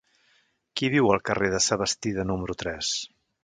Qui viu al carrer de Sabastida número tres?